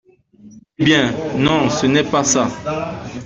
Eh bien, non, ce n’est pas ça !